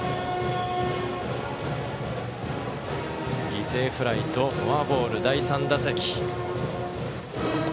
犠牲フライとフォアボール第３打席。